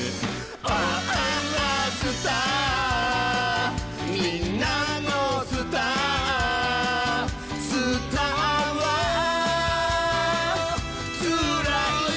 「あぁスターみんなのスター」「スターはつらいぜ」